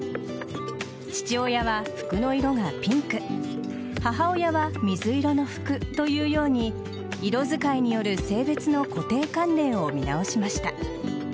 父親は服の色がピンク母親は水色の服というように色使いによる性別の固定観念を見直しました。